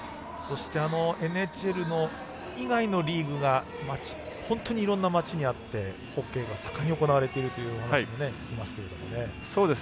そしてＮＨＬ以外のリーグが本当にいろんな街にあってホッケーが盛んに行われているというお話、聞きますけどね。